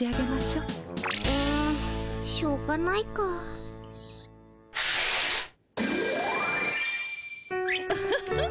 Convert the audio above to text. うんしょうがないか。ウフフッ。